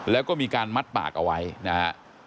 แล้วก็มีการมัดปากเอาไว้นะฮะ